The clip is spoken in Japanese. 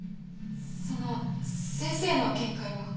その先生の見解は？